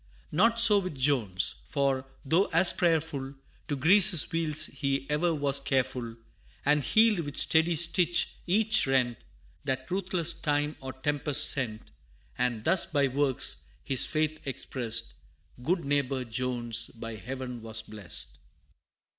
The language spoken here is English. Not so with Jones for, though as prayerful, To grease his wheels he e'er was careful, And healed, with ready stitch, each rent That ruthless time or tempest sent; And thus, by works, his faith expressed, Good neighbor Jones by Heaven was blessed.